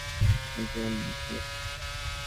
এখন তোমার সময় হয়েছে!